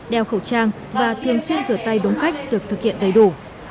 đeo khẩu trang và thiên xuyên rửa tay đúng cách được thực hiện đầy đủ